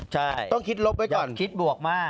ใช่ต้องคิดลบไว้ก่อนอยากที่ดวกมา